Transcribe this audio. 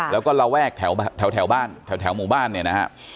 แล้วก็ระแวกแถวบ้านแถวหมู่บ้านเนี่ยนะฮะ